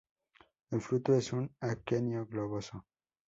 El fruto es un aquenio globoso.